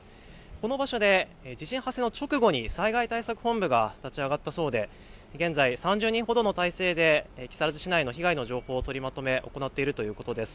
この場所で地震発生の直後に災害対策本部が立ち上がったそうで現在３０人ほどの態勢で木更津市内の被害の情報のとりまとめを行っているということです。